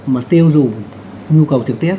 mà tiêu dụng nhu cầu trực tiếp